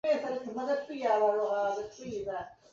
兰屿鱼藤为豆科鱼藤属下的一个种。